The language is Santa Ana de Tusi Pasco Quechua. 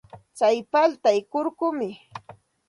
Tsay paltay kurkum.